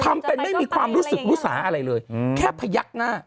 ทำเป็นไม่มีความรู้สึกรู้สาอะไรเลยแค่พยักหน้า